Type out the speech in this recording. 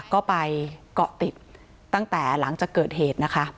ก็ไปเกาะติดตั้งแต่หลังจากเกิดเหตุนะคะ